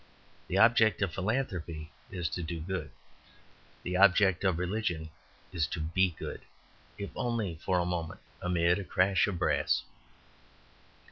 The object of philanthropy is to do good; the object of religion is to be good, if only for a moment, amid a crash of brass.